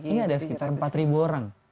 ini ada sekitar empat orang